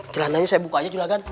celananya saya buka aja culakan